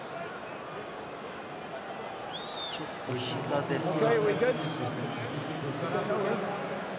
ちょっと膝ですか。